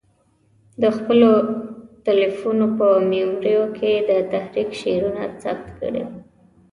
د خپلو تلیفونو په میموریو کې د تحریک شعرونه ثبت کړي.